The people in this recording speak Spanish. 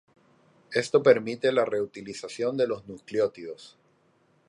Esto permite la reutilización de los nucleótidos.